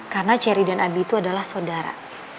karena cherry dan abi itu adalah saudara